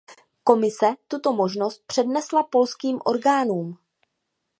Komise tuto možnost přednesla polským orgánům.